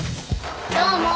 どうも。